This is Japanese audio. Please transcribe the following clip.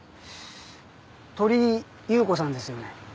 鳥居優子さんですよね。